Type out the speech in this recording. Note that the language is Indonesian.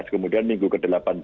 kemudian minggu ke delapan belas